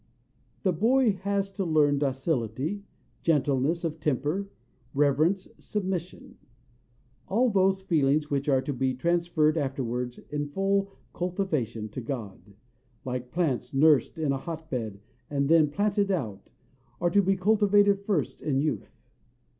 The boy has to learn docility, gentleness of temper, reverence, submission. All those feelings which are to be transferred afterwards in full cultivation to God, like plants nursed in a hotbed and then planted out, are to be cultivated first in youth.